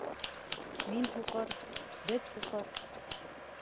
— Мин һуҡыр, беҙ һуҡыр.